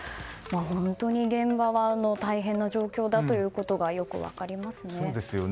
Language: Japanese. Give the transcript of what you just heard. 本当に現場は大変な状況だということがよく分かりますよね。